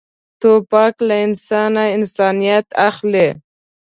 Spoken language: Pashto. توپک له انسان انسانیت اخلي.